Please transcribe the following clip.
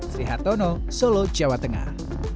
srihatono solo jawa tengah